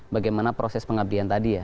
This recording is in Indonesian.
bagaimana proses pengabdian tadi